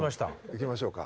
いきましょうか。